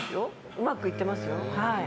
うまくいってますよ。